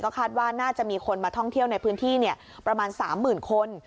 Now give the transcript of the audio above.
คาดว่าน่าจะมีคนมาท่องเที่ยวในพื้นที่ประมาณ๓๐๐๐คน